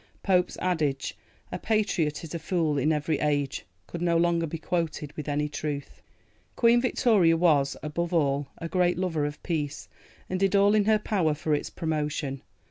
Pope's adage, "A patriot is a fool in every age," could no longer be quoted with any truth. Queen Victoria was, above all, a great lover of peace, and did all in her power for its promotion.